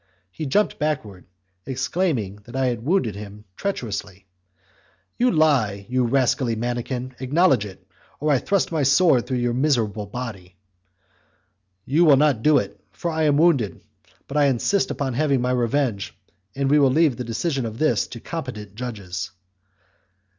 He jumped backward, exclaiming that I had wounded him treacherously. "You lie, you rascally mannikin! acknowledge it, or I thrust my sword through your miserable body." "You will not do it, for I am wounded; but I insist upon having my revenge, and we will leave the decision of this to competent judges."